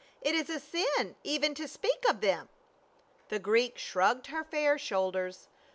"It is a sin even to speak of them !" The Greek shrugged her fair shoulders.